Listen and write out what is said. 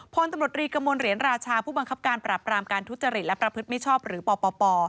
พลตำรวจรีกระมวลเหรียญราชาผู้บังคับการปรับรามการทุจริตและประพฤติมิชชอบหรือปป